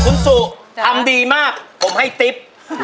คุณสุทำดีมากผมให้ติ๊บ